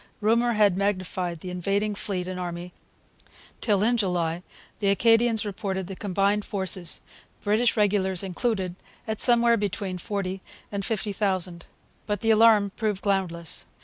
Rumour had magnified the invading fleet and army till, in July, the Acadians reported the combined forces, British regulars included, at somewhere between forty and fifty thousand. But the alarm proved groundless.